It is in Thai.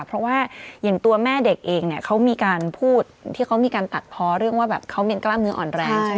เพราะว่าอย่างตัวแม่เด็กเองเนี่ยเขามีการพูดที่เขามีการตัดพอเรื่องว่าแบบเขามีกล้ามเนื้ออ่อนแรงใช่ไหม